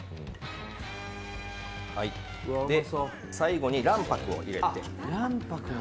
最後に卵白を入れて。